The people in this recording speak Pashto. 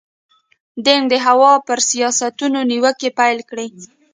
دینګ د هوا پر سیاستونو نیوکې پیل کړې.